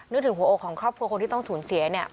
ถึงหัวอกของครอบครัวคนที่ต้องสูญเสียเนี่ย